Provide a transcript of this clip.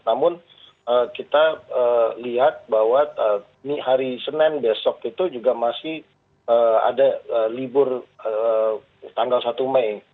namun kita lihat bahwa hari senin besok itu juga masih ada libur tanggal satu mei